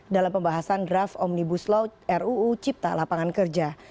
dalam pembahasan draft omnibus law ruu cipta lapangan kerja